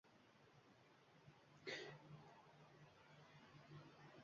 Qizaloqlar ichki kiyimlari ham ko‘zdan yiroqda, birovning nazari tushmaydigan joyda turadi.